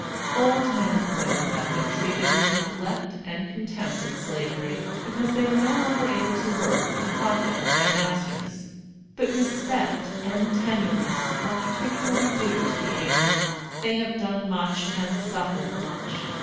Old men and women have been treated with neglect and contempt in Slavery, because they were no longer able to work for the profit of their masters. But respect and tenderness are peculiarly due to the aged. They have done much and suffered much.